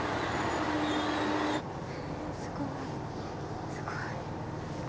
すごいすごい。